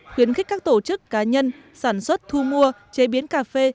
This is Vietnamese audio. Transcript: khuyến khích các tổ chức cá nhân sản xuất thu mua chế biến cà phê